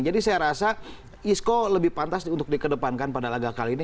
jadi saya rasa isco lebih pantas untuk di kedepankan pada lagak kali ini